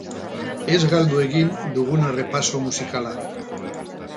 Ez galdu egin dugun errepaso musikala.